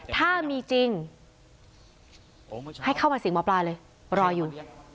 ถ้ามีจริงให้เข้ามาเสียงหมอปลาเลยรออยู่